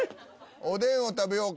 おでんを食べようか。